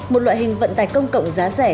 một loại hình vận tải công cộng giá rẻ